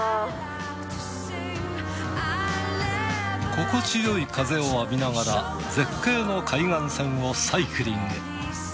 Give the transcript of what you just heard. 心地よい風を浴びながら絶景の海岸線をサイクリング。